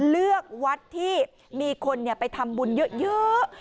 เลือกวัดที่มีคนไปทำบุญเยอะ